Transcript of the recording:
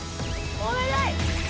お願い！